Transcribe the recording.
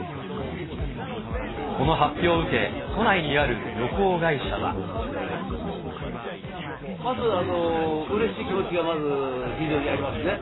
この発表を受け、都内にあるまずうれしい気持ちが、まず非常にありますね。